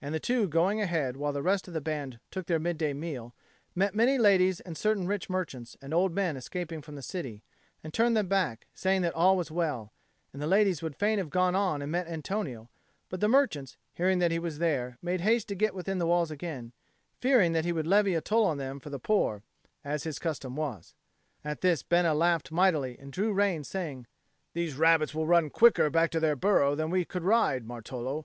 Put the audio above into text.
And the two, going ahead while the rest of the band took their mid day meal, met many ladies and certain rich merchants and old men escaping from the city, and turned them back, saying that all was well; and the ladies would fain have gone on and met Antonio; but the merchants, hearing that he was there, made haste to get within the walls again, fearing that he would levy a toll on them for the poor, as his custom was. At this Bena laughed mightily, and drew rein, saying, "These rabbits will run quicker back to their burrow than we could ride, Martolo.